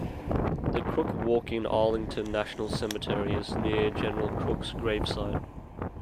The Crook Walk in Arlington National Cemetery is near General Crook's gravesite.